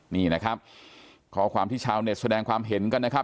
นี่นะครับข้อความที่ชาวเน็ตแสดงความเห็นกันนะครับ